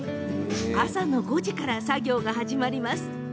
朝の５時から作業が始まります。